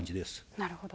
なるほど。